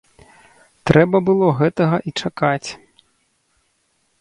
Трэба было гэтага і чакаць.